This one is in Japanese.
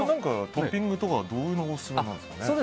トッピングとかどういうのがオススメなんですか？